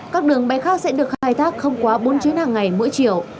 các đường bay khác sẽ được khai thác không quá bốn chuyến hàng ngày mỗi chiều